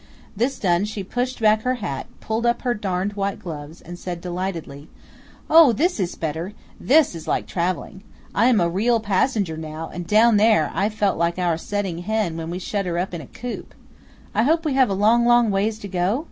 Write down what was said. This done she pushed back her hat, pulled up her darned white cotton gloves, and said delightedly: "Oh! this is better! This is like traveling! I am a real passenger now, and down there I felt like our setting hen when we shut her up in a coop. I hope we have a long, long ways to go?"